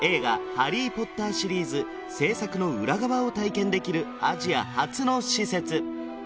「ハリー・ポッター」シリーズ製作の裏側を体験できるアジア初の施設